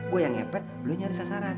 gue yang ngepet gue nyari sasaran